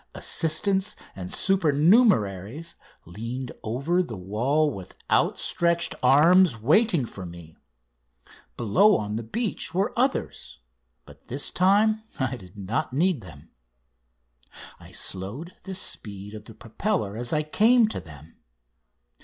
Assistants and supernumeraries leaned over the wall with outstretched arms waiting for me; below on the beach were others, but this time I did not need them. I slowed the speed of the propeller as I came to them.